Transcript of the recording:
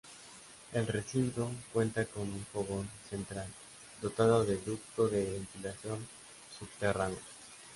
El recinto cuenta con un fogón central, dotado de ducto de ventilación subterráneo.